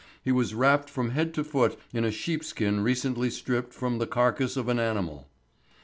He was wrapped from head to foot in a sheepskin recently stripped from the carcase of an animal.